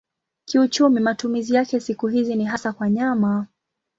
Kiuchumi matumizi yake siku hizi ni hasa kwa nyama.